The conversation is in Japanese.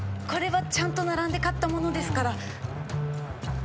これはちゃんと並んで買った物ですから。